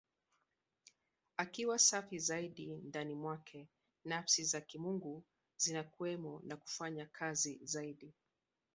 Akiwa safi zaidi, ndani mwake Nafsi za Kimungu zinakuwemo na kufanya kazi zaidi.